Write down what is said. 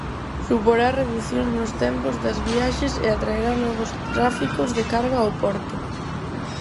Suporá reducións nos tempos das viaxes e atraerá novos tráficos de carga ao porto.